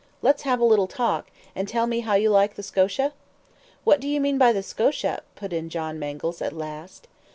Let's have a little talk, and tell me how you like the SCOTIA?" "What do you mean by the SCOTIA?" put in John Mangles at last.